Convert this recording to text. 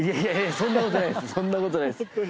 そんなことないです。